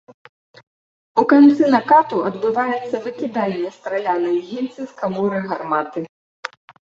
У канцы накату адбываецца выкіданне стрэлянай гільзы з каморы гарматы.